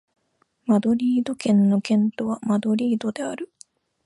マドリード県の県都はマドリードである